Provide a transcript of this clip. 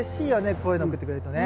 こういうの送ってくれるとね。